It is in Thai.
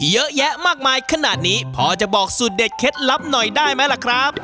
เยอะแยะมากมายขนาดนี้พอจะบอกสูตรเด็ดเคล็ดลับหน่อยได้ไหมล่ะครับ